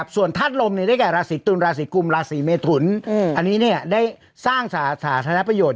ส่วนธาตุลมเนี่ยได้แก่ลาศีตุลลาศีกุมลาศีเมถุลอันนี้เนี่ยได้สร้างสาธารณประโยชน์